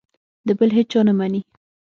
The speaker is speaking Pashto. د بل هېچا نه مني.